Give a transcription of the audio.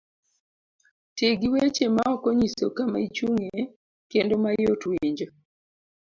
Ti gi weche maok onyiso kama ichung'ye kendo mayot winjo.